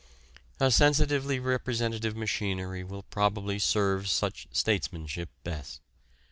A sensitively representative machinery will probably serve such statesmanship best.